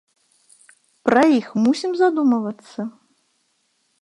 Пра іх мусім задумвацца?!